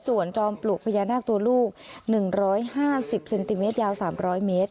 ส่วนจอมปลูกพญานาคตัวลูกหนึ่งร้อยห้าสิบเซนติเมตรยาวสามร้อยเมตร